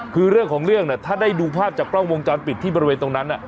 คือเรื่องของเรื่องถ้าได้ดูภาพจากกล้องวงจรปิดที่บริเวณตรงนั้น